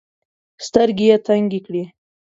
سترګي یې تنګي کړې .